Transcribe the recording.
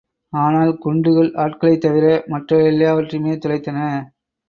ஆனால் குண்டுகள் ஆட்களைத் தவிர மற்றெல்லாவற்றையுமே துளைத்தன.